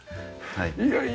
はい。